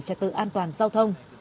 trái tự an toàn giao thông